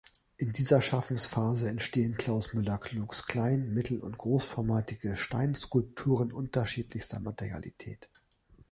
In dieser Schaffensphase entstehen Klaus Müller-Klugs klein-, mittel- und großformatige Steinskulpturen unterschiedlichster Materialität.